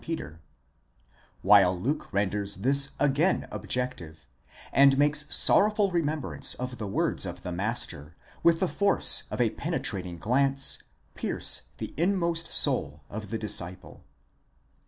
Peter ; while Luke renders this again objective, and makes sorrowful remem brance of the words of the master, with the force of a penetrating glance, pierce the inmost soul of the disciple.